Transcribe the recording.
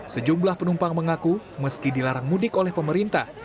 sejumlah penumpang mengaku meski dilarang mudik oleh pemerintah